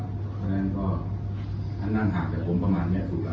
เพราะฉะนั้นก็ถ้านั่งห่างจากผมประมาณนี้ถูกแล้ว